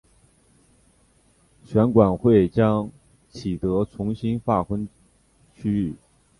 选管会将启德重新分划选区。